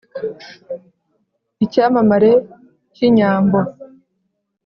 Icyamamare k’inyambo,